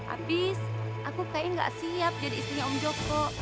abis aku kayaknya gak siap jadi istrinya om joko